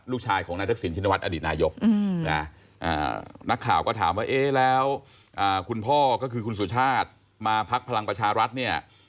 ลูกชายของน้าทักษิณภิกษาอดินาหยกนะอ่านักข่าก็ถามว่าเอ๊แล้วคุณพ่อก็คือคุณสัญชาธิมาพักพลังประชารัฐเนี่ย